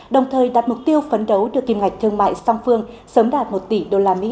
đồng thời đạt mục tiêu phấn đấu được kìm ngạch thương mại